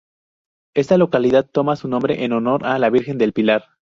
Esta localidad toma su nombre en honor a la Virgen del Pilar.